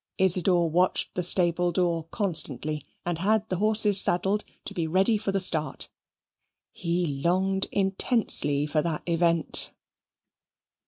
Isidor watched the stable door constantly, and had the horses saddled, to be ready for the start. He longed intensely for that event.